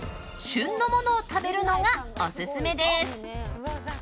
旬のものを食べるのがオススメです。